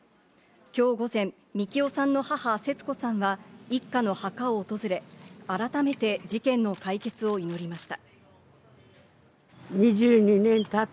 今日午前、みきおさんの母・節子さんは一家の墓を訪れ、改めて事件の解決を祈りました。